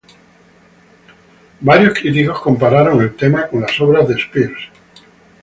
Varios críticos compararon el tema con las obras de Spears.